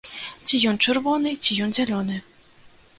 Ці ён чырвоны, ці ён зялёны.